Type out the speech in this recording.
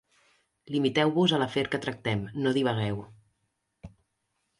Limiteu-vos a l'afer que tractem: no divagueu.